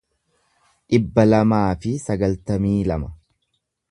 dhibba lamaa fi sagaltamii lama